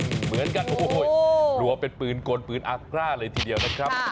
เหมือนกันโอ้โหรัวเป็นปืนกลปืนอากร้าเลยทีเดียวนะครับ